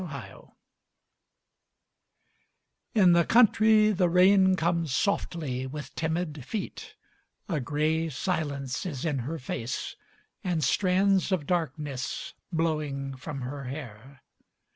RAINS In the country the rain comes softly with timid feet; A grey silence is in her face, and strands of darkness blowing from her hair.